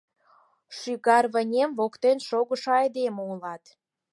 Шӱгар вынем воктен шогышо айдеме улат.